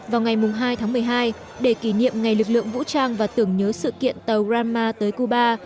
vào ngày hai tháng một mươi hai để kỷ niệm ngày lực lượng vũ trang và tưởng nhớ sự kiện tàu ranma tới cuba